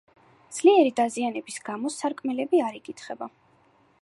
ძლიერი დაზიანების გამო სარკმლები არ იკითხება.